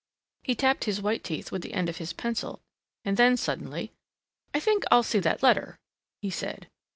He tapped his white teeth with the end of his pencil and then suddenly, "I think I'll see that letter," he said.